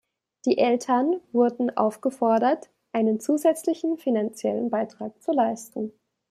Die Eltern wurden aufgefordert, einen zusätzlichen finanziellen Beitrag zu leisten.